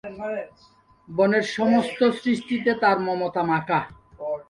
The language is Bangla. বনের সমস্ত সৃষ্টিতে তার মমতা মাখা।